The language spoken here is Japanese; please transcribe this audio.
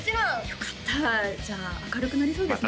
よかったじゃあ明るくなりそうですね